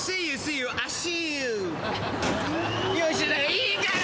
いいから！